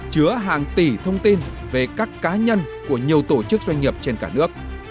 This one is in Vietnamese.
chứa hàng tỷ thông tin về các cá nhân của nhiều tổ chức doanh nghiệp trên cả nước